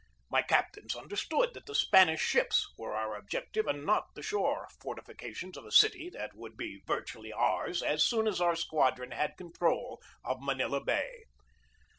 My captains understood that the Span ish ships were our objective and not the shore forti fications of a city that would be virtually ours as soon as our squadron had control of Manila Bay.